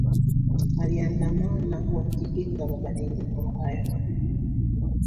aliandamana wakipinga mabadiliko hayo